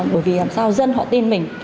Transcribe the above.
bởi vì làm sao dân họ tin mình